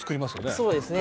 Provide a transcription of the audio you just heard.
そうですね。